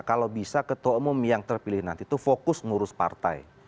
kalau bisa ketua umum yang terpilih nanti itu fokus ngurus partai